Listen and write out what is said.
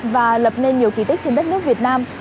và lập nên nhiều kỳ tích trên đất nước việt nam